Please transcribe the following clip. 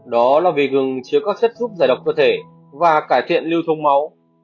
đó là vì gừng chứa các chất giúp giải độc cơ thể và cải thiện lưu thông máu